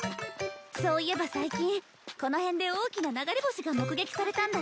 そういえば最近この辺で大きな流れ星が目撃されたんだって。